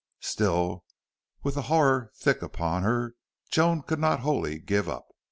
Still, with the horror thick upon her, Joan could not wholly give up.